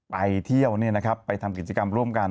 ไปเที่ยวเนี่ยนะครับไปทำกิจกรรมร่วมกัน